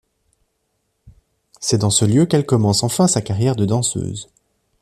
C'est dans ce lieu qu'elle commence enfin sa carrière de danseuse.